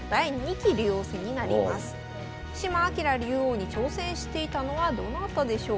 島朗竜王に挑戦していたのはどなたでしょうか。